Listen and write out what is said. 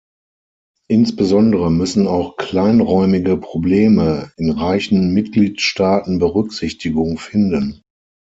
Insbesondere müssen auch kleinräumige Probleme in reichen Mitgliedstaaten Berücksichtigung finden.